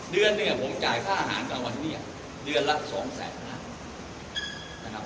เดือนเนี่ยผมจ่ายค่าอาหารกลางวันเนี่ยเดือนละ๒๕๐๐นะครับ